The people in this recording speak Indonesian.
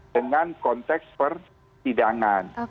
dengan konteks persidangan